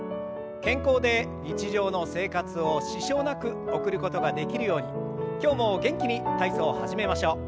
健康で日常の生活を支障なく送ることができるように今日も元気に体操を始めましょう。